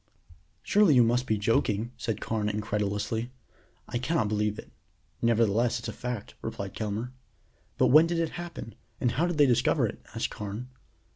"Surely you must be joking," said Carrie incredulously. "I cannot believe it." "Nevertheless it's a fact," replied Kelmare. "But when did it happen? and how did they discover it?" asked Carne.